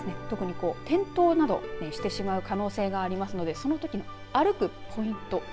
特に、転倒などしてしまう可能性がありますのでそのときの歩くポイント